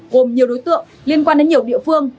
gồm nhiều đối tượng liên quan đến nhiều địa phương